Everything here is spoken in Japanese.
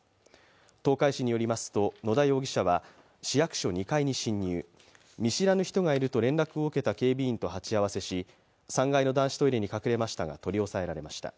東海市によりますと、野田容疑者は市役所２階に侵入見知らぬ人がいると連絡を受けた警備員と鉢合わせし、３階の男子トイレに隠れましたが取り押さえられました。